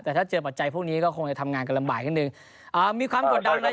แต่ถ้าเจอปัจจัยพวกนี้ก็คงจะทำงานกระลำบายกันหนึ่งอ่ามีคำกฎดังแล้ว